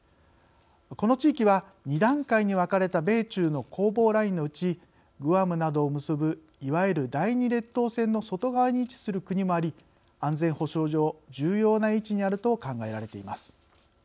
この地域は２段階に分かれた米中の攻防ラインのうちグアムなどを結ぶいわゆる第２列島線の外側に位置する国もあり安全保障上、重要な位置にあると考えられています。